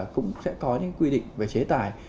cũng sẽ có những quy định về chế tải